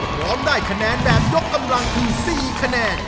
พร้อมได้คะแนนแบบยกกำลังคือ๔คะแนน